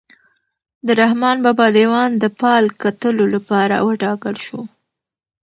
د رحمان بابا دیوان د فال کتلو لپاره وټاکل شو.